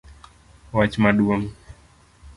Wach maduong'